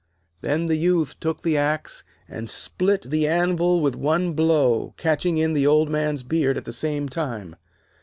Then the Youth took the axe and split the anvil with one blow, catching in the Old Man's beard at the same time.